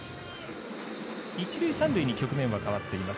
一塁、三塁に局面は変わっています。